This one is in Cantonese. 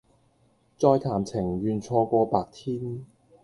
再談情願錯過白天